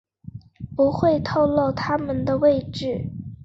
不会透漏他们的位置